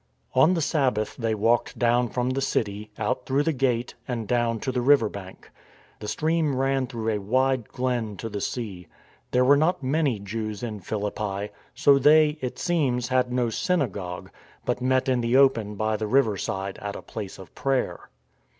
On the Sabbath they walked down from the city, out through the gate, and down to the river bank. The stream ran through a wide glen to the sea. There were not many Jews in Philippi ; so they — it seems — had no synagogue,^ but met in the open by the river side at a place of prayer.